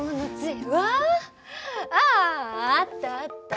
ああったあった。